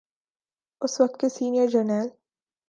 اس وقت کے سینئر جرنیل۔